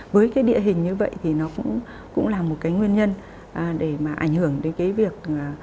với cái địa hình như vậy thì nó cũng là một cái nguyên nhân để mà ảnh hưởng đến cái việc